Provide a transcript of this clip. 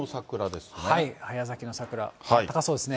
早咲きの桜、あったかそうですね。